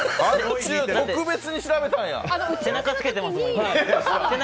甲冑、特別に調べたんや！